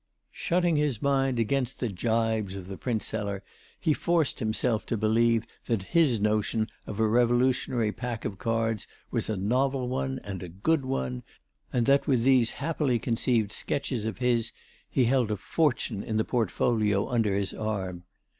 Shutting his mind against the gibes of the printseller, he forced himself to believe that his notion of a Revolutionary pack of cards was a novel one and a good one, and that with these happily conceived sketches of his he held a fortune in the portfolio under his arm.